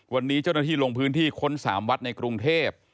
วันนี้เจ้าหน้าที่ลงพื้นที่ค้น๓วัดในกรุงเทพ